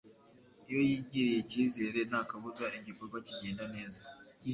iyo yigiriye icyizere nta kabuza igikorwa kigenda neza.